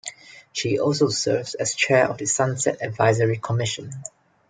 She also serves as chair of the Sunset Advisory Commission.